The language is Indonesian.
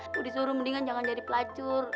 kalau disuruh mendingan jangan jadi pelacur